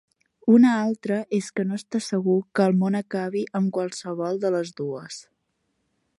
Una altra és que no està segur que el món acabi amb qualsevol de les dues.